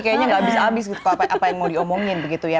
kayaknya nggak habis habis gitu apa yang mau diomongin begitu ya